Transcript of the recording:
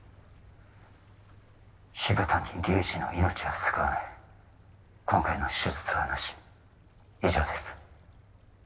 渋谷隆治の命は救わない今回の手術はなし以上です